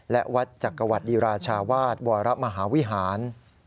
และวัดจักรวรรดิราชาวาสวรมหาวิหาร